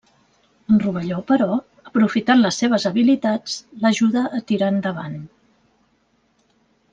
En Rovelló, però, aprofitant les seves habilitats, l'ajuda a tirar endavant.